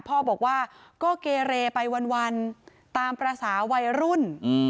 พ่อบอกว่าก็เกเรไปวันตามภาษาวัยรุ่น